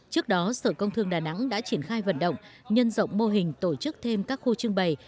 trước đó sở công thương đà nẵng đã triển khai vận động nhân rộng mô hình tổ chức thêm các khu trưng bày